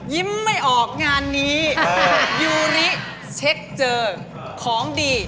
ยิ้มไม่ออกงานนี้ยู่นี้เช็กเจอเครื่องดี